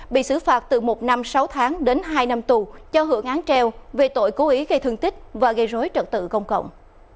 bị xử phạt từ một năm sáu tháng đến hai năm tù cho hưởng án treo về tội cố ý gây thương tích và gây rối trật tự công cộng